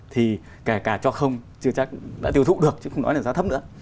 thì kể cả cho không chưa chắc đã tiêu thụ được chứ không nói là giá thấp nữa